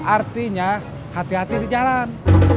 artinya hati hati di jalan